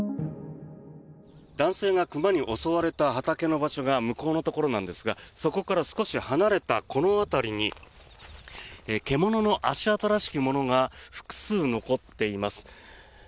男性が熊に襲われた畑の場所が向こうのところなんですがそこから少し離れたこの辺りに獣の足跡らしきものが複数残っています。